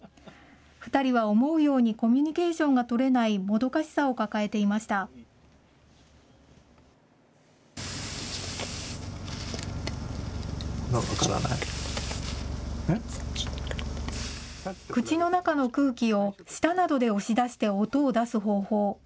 ２人は思うようにコミュニケーションが取れないもどかしさを抱え口の中の空気を、舌などで押し出して音を出す方法。